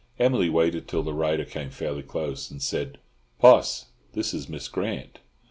Emily waited till the rider came fairly close, and said, "Poss, this is Miss Grant."